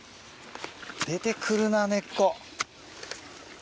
出てくるな根っこ。